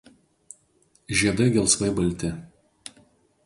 Žiedai gelsvai balti.